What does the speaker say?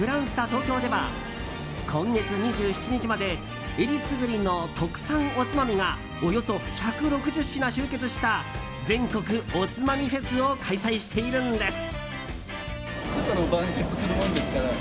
東京では今月２７日までえりすぐりの特産おつまみがおよそ１６０品集結した全国おつまみフェスを開催しているんです。